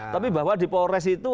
tapi bahwa di polres itu